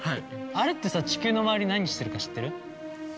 あれってさ地球の周り何してるか知ってる？